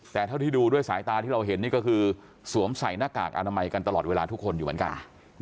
แต่เท่าที่ดูด้วยสายตาที่เราเห็นนี่ก็คือสวมใส่หน้ากากอนามัยกันตลอดเวลาทุกคนอยู่เหมือนกัน